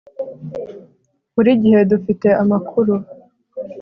buri gihe dufite amakuru